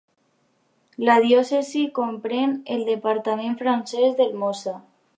La diòcesi comprèn el departament francès del Mosa.